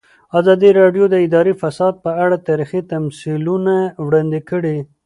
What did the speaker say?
ازادي راډیو د اداري فساد په اړه تاریخي تمثیلونه وړاندې کړي.